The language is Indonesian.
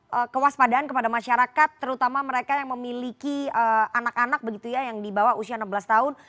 untuk kewaspadaan kepada masyarakat terutama mereka yang memiliki anak anak begitu ya yang di bawah usia enam belas tahun